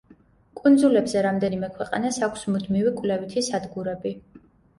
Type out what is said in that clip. კუნძულებზე რამდენიმე ქვეყანას აქვს მუდმივი კვლევითი სადგურები.